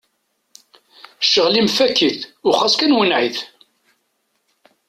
Cɣel-im fak-it u xas kan wenneɛ-it!